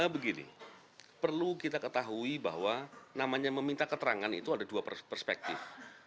begini perlu kita ketahui bahwa namanya meminta keterangan itu ada dua perspektif